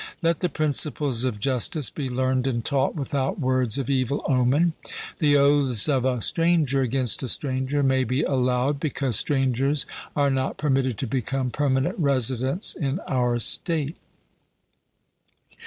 Let the principles of justice be learned and taught without words of evil omen. The oaths of a stranger against a stranger may be allowed, because strangers are not permitted to become permanent residents in our state.